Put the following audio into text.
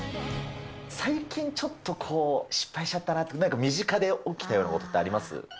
最近、ちょっとこう、失敗しちゃったなって、なんか身近で起きたようなことってあります？